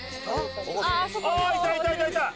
ああいたいたいたいた！